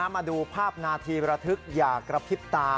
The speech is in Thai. มาดูภาพนาทีระทึกอย่ากระพริบตา